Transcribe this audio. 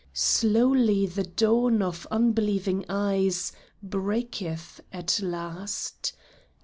Slowly the dawn on unbelieving eyes Breaketh at last.